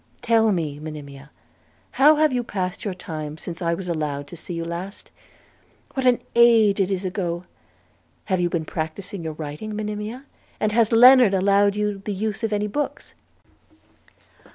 Tell me, Monimia, how have you passed your time since I was allowed to see you last? What an age it is ago! Have you practised your writing, Monimia, and has Lennard allowed you the use of any books?'